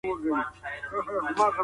د سرمایه دارۍ آرمان یوازې ازاد بازار دی.